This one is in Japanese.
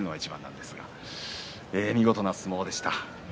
見事な相撲でした。